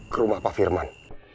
ke rumah pak firman